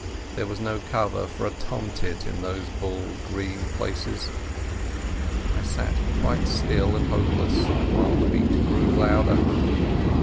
There was no cover for a tomtit in those bald green places. I sat quite still and hopeless while the beat grew louder.